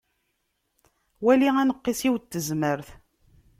Wali aneqqis-iw n tezmert.